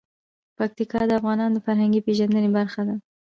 پکتیا د افغانانو د فرهنګي پیژندنې برخه ده.